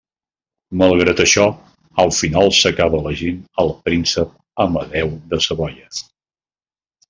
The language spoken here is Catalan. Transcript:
Malgrat això, al final s'acabà elegint al príncep Amadeu de Savoia.